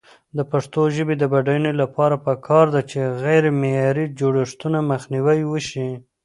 د پښتو ژبې د بډاینې لپاره پکار ده چې غیرمعیاري جوړښتونه مخنیوی شي.